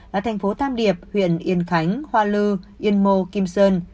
ở thành phố tam điệp huyện yên khánh hoa lư yên mô kim sơn